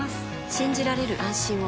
信じられる、安心を。